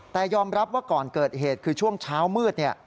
แต่ยอมรับว่าก่อนเกิดเหตุคือช่วงเช้ามืด